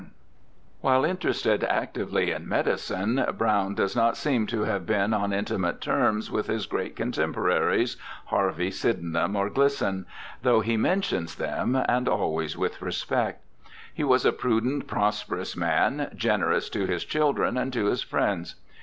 ^^ Wilkin vol. i, p. 253. 258 BIOGRAPHICAL ESSAYS While interested actively in medicine, Browne does not seem to have been on intimate terms with his great contemporaries— Harvey, Sydenham, or Glisson— though he mentions them, and always with respect. He was a prudent, prosperous man, generous to his children and to his friends.